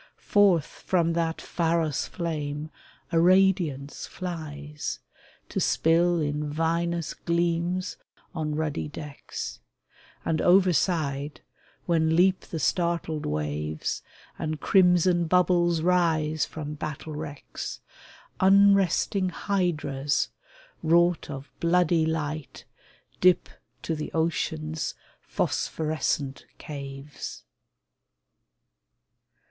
Forth from that pharos flame a radiance flies, i To spill in vinous gleams on ruddy decks; i And overside, when leap the startled waves i And crimson bubbles rise from battle wrecks, 14 A WINE OF WIZARDRY r Unresting hydras wrought of bloody light Dip to the ocean's phosphorescent caves.